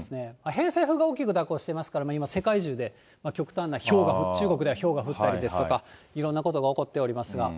偏西風が大きく蛇行してますから、今、世界中で、極端な、中国ではひょうが降ったりですとか、いろんなことが起こっておりますが。